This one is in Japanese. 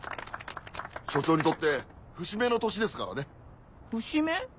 署長にとって節目の年ですからね。節目？